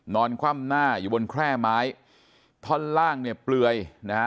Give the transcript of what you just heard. คว่ำหน้าอยู่บนแคร่ไม้ท่อนล่างเนี่ยเปลือยนะฮะ